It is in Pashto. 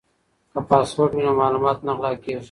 که پاسورډ وي نو معلومات نه غلا کیږي.